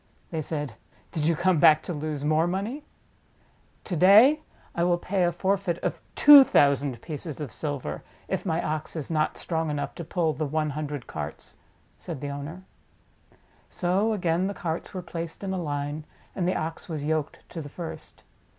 They said: "Did you come back to lose more money ?" "To day I will pay a forfeit of two thousand pieces of silver if my Ox is not strong enough to pull the one hundred carts," said the owner. So again the carts were placed in a line, and the Ox was yoked to the first.